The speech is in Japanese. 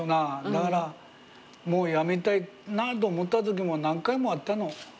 だからもう辞めたいなと思った時も何回もあったの。